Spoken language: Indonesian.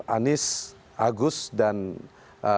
anies agus dan risma